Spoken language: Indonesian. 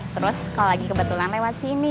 terus kalau lagi kebetulan lewat sini